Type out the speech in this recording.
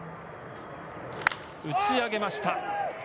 打ち上げました。